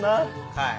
はい。